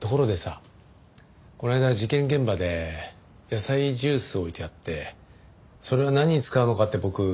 ところでさこの間事件現場で野菜ジュース置いてあってそれを何に使うのかって僕聞いたよね？